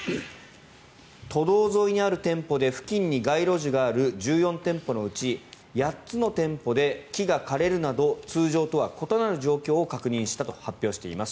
都道沿いにある店舗で付近に街路樹がある１４店舗のうち８つの店舗で木が枯れるなど通常とは異なる状況を確認したと発表しています。